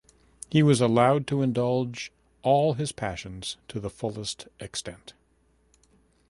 He was allowed to indulge all his passions to the fullest extent.